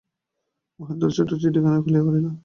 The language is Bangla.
মহেন্দ্র ছোটো চিঠিখানা খুলিয়া পড়িল।